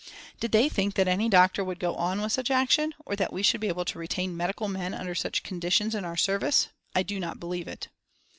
Did they think that any doctor would go on with such action, or that we should be able to retain medical men under such conditions in our service? I do not believe it.